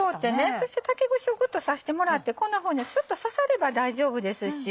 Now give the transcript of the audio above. そして竹串をぐっと刺してもらってこんなふうにスッと刺されば大丈夫ですし。